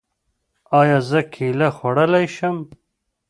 ایا زه کیله خوړلی شم؟